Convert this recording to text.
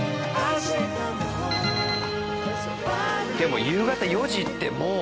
でも夕方４時ってもう。